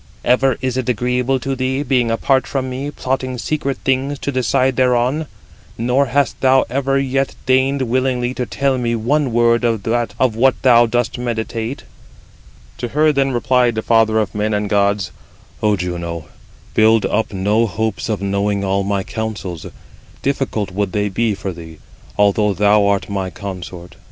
Ever is it agreeable to thee, being apart from me, plotting secret things, to decide thereon; nor hast thou ever yet deigned willingly to tell me one word of what thou dost meditate." Footnote 59: (return) Heyne supplies "sedendo." To her then replied the father of men and gods: "O Juno, build up no hopes of knowing all my counsels; difficult would they be for thee, although thou art my consort.